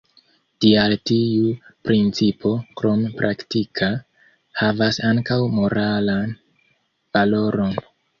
Tial tiu principo, krom praktika, havas ankaŭ moralan valoron.